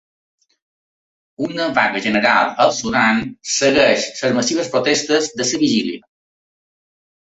Una vaga general al Sudan segueix les massives protestes de la vigília.